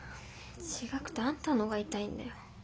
違くてあんたのが痛いんだよ。